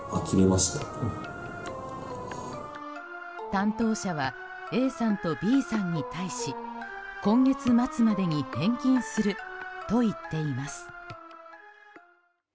担当者はＡさんとＢさんに対し今月末までに返金すると言っています。